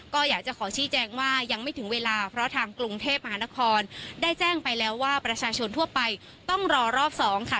ก็อยากจะขอชี้แจงว่ายังไม่ถึงเวลาเพราะทางกรุงเทพมหานครได้แจ้งไปแล้วว่าประชาชนทั่วไปต้องรอรอบสองค่ะ